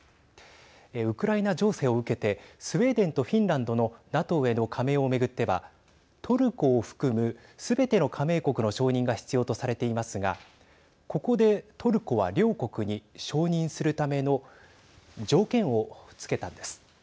ウクライナ情勢を受けてスウェーデンとフィンランドのＮＡＴＯへの加盟を巡ってはトルコを含むすべての加盟国の承認が必要とされていますがここでトルコは両国に承認するための条件を付けたんです。